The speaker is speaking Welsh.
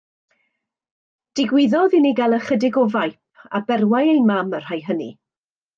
Digwyddodd i ni gael ychydig o faip, a berwai ein mam y rhai hynny.